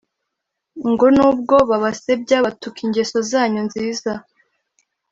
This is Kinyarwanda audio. ngo nubwo babasebya batuka ingeso zanyu nziza